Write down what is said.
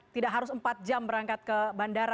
tidak harus empat jam berangkat ke bandara